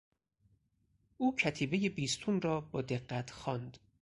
او کتیبهی بیستون را با دقت خواند.